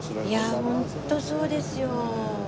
いやホントそうですよ。